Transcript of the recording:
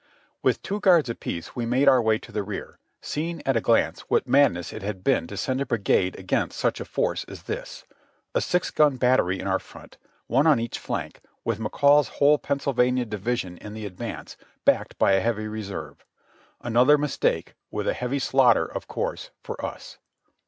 With two guards apiece we made our way to the rear, seeing at a glance what madness it had been to send a brigade against such a force as this — a six gun battery in our front, one on each flank, with McCall's whole Pennsylvania Division in the advance, backed by a heavy reserve ; another mistake, with a heavy slaugh ter, of course, for us.